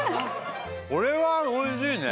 これはおいしいね。